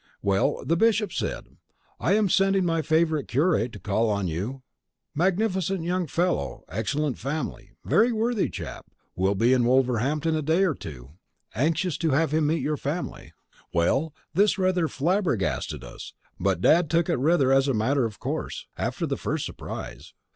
well, the Bishop said _Am sending my favourite curate to call on you magnificent young fellow excellent family very worthy chap will be in Wolverhampton a day or two anxious to have him meet your family_. Well, this rather flabbergasted us, but Dad took it rather as a matter of course, after the first surprise.